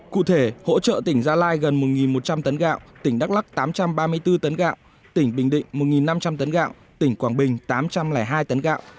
cụ thể hỗ trợ tỉnh gia lai gần một một trăm linh tấn gạo tỉnh đắk lắc tám trăm ba mươi bốn tấn gạo tỉnh bình định một năm trăm linh tấn gạo tỉnh quảng bình tám trăm linh hai tấn gạo